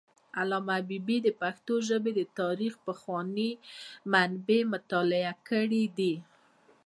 علامه حبیبي د پښتو ژبې د تاریخ پخواني منابع مطالعه کړي دي.